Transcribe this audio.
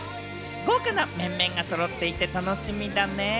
豪華な面々が揃っていて楽しみだね。